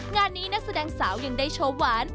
งานนี้นักแสดงสาวยังได้โชว์หวาน